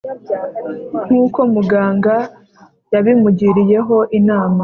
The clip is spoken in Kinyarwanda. nkuko muganga yabimugiriyemo inama